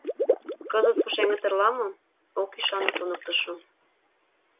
Кызыт пушеҥге тырла мо? — ок ӱшане туныктышо.